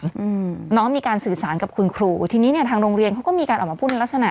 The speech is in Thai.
อืมน้องมีการสื่อสารกับคุณครูทีนี้เนี้ยทางโรงเรียนเขาก็มีการออกมาพูดในลักษณะ